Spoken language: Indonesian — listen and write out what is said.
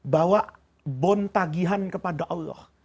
bawa bontagihan kepada allah